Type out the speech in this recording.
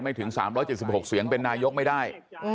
ถึง๓๗๖เสียงเป็นนายกไม่ได้